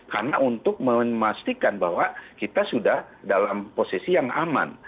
karena untuk memastikan bahwa kita sudah dalam posisi yang aman